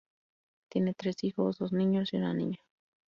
Tienen tres hijos, dos niños y una niña.